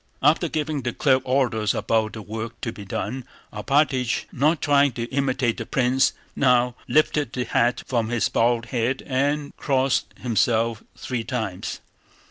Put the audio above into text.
After giving the clerk orders about the work to be done, Alpátych, not trying to imitate the prince now, lifted the hat from his bald head and crossed himself three times.